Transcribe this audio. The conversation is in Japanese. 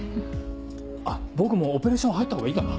あっ僕もオペレーション入ったほうがいいかな？